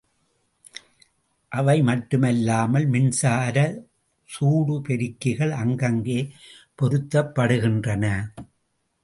அவை மட்டுமல்லாமல் மின்சாரச் சூடுபெருக்கிகள் அங்கங்கே பொருத்தப்படுகின்றன.